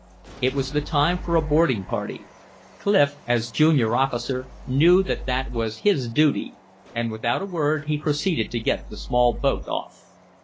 It was the time for a boarding party. Clif, as junior officer, knew that that was his duty, and without a word he proceeded to get the small boat off.